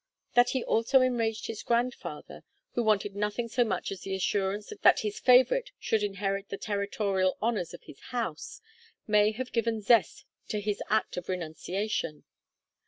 That he also enraged his grandfather, who wanted nothing so much as the assurance that his favorite should inherit the territorial honors of his house, may have given zest to his act of renunciation.